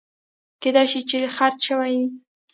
کېدای شي چې خرڅ شوي وي